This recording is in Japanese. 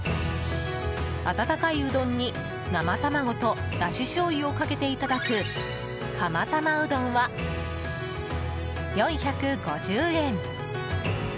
温かいうどんに生卵とだししょうゆをかけていただく釜玉うどんは４５０円。